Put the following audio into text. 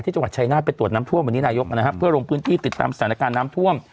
จังหวัดชายนาฏไปตรวจน้ำท่วมวันนี้นายกนะครับเพื่อลงพื้นที่ติดตามสถานการณ์น้ำท่วม